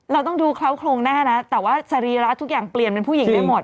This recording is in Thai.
เราต้องดูเคล้าโครงแน่นะแต่ว่าสรีระทุกอย่างเปลี่ยนเป็นผู้หญิงได้หมด